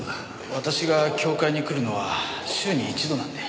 私が教誨に来るのは週に一度なんで。